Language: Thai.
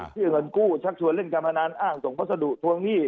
พวกเธอเงินกู้ชักชวนเล่นกำลาดอ้างตรงพสัดุทวงหี้